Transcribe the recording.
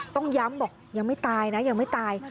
ต้องย้ำบอกยังไม่ตายนะยังไม่ตาย